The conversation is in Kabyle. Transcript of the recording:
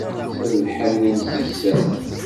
S lḥenn n ssisan.